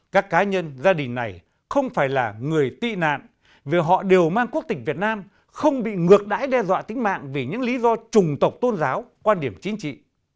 các cá nhân gia đình này không phải là người tị nạn vì họ đều mang quốc tịch việt nam không bị ngược đãi đe dọa tính mạng vì những lý do trùng tộc tôn giáo quan điểm chính trị